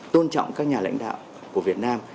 tôn trọng các nhà lãnh đạo của việt nam